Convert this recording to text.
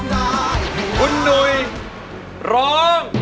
คุณหนุ่ยร้อง